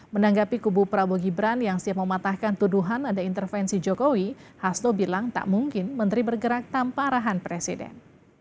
menanggapi kubu prabowo gibran yang siap mematahkan tuduhan ada intervensi jokowi hasto bilang tak mungkin menteri bergerak tanpa arahan presiden